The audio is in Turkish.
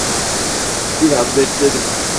Biraz bekledim.